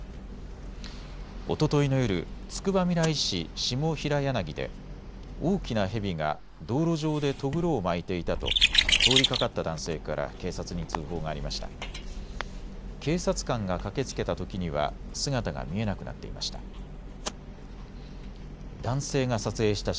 おとといの夜、つくばみらい市下平柳で大きなヘビが道路上でとぐろを巻いていたと通りかかった男性から警察に通報がありました。